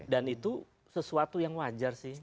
dan itu sesuatu yang wajar sih